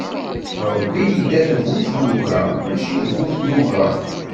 Ṛebbi idda d bu tyuga, mačči d bu tnuga.